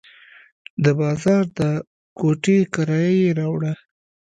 د بازار د کوټې کرایه یې راوړه.